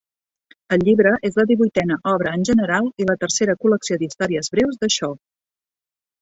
El llibre és la divuitena obra en general i la tercera col·lecció d'històries breus de Shaw.